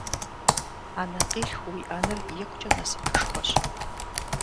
Анэкъилъху уиӏэныр икъукӏэ насыпышхуэщ!